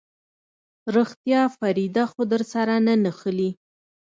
رښتيا فريده خو درسره نه نښلي.